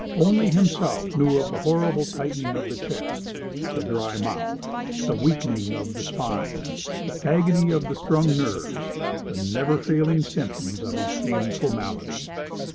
Only himself knew of the horrible tightening of the chest, the dry mouth, the weakening of the spine, the agony of the strung nerves—the never failing symptoms of his shameful malady.